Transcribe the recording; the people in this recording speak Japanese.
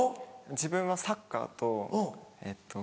自分はサッカーとえっと